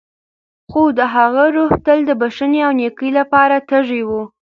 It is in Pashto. خو د هغه روح تل د بښنې او نېکۍ لپاره تږی و.